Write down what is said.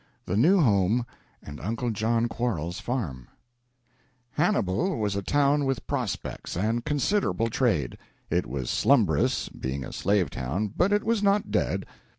II. THE NEW HOME, AND UNCLE JOHN QUARLES'S FARM Hannibal was a town with prospects and considerable trade. It was slumbrous, being a slave town, but it was not dead.